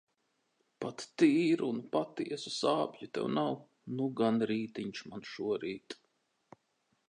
Pat tīru un patiesu sāpju tev nav. Nu gan rītiņš man šorīt.